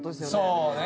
そうね。